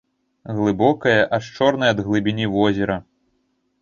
Глыбокае, аж чорнае ад глыбіні возера.